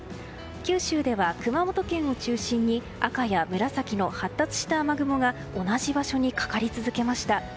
九州では熊本県を中心に赤や紫の発達した雨雲が同じ場所にかかり続けました。